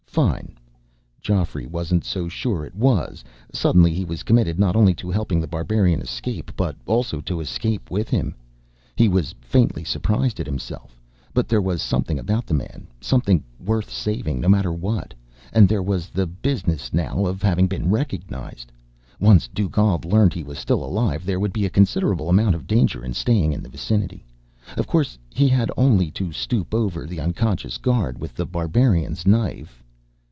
"Fine." Geoffrey wasn't so sure it was. Suddenly he was committed not only to helping The Barbarian escape, but also to escape with him. He was faintly surprised at himself. But there was something about the man. Something worth saving, no matter what. And there was the business now of having been recognized. Once Dugald learned he was still alive, there would be a considerable amount of danger in staying in the vicinity. Of course, he had only to stoop over the unconscious guard with The Barbarian's knife....